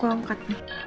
boleh gak apa apa